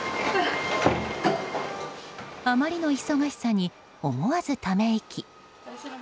あまりの忙しさに思わず、ため息。